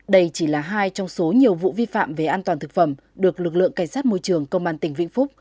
đây chỉ là hai trong số nhiều vụ vi phạm về an toàn thực phẩm được lực lượng cảnh sát môi trường công an tỉnh vĩnh phúc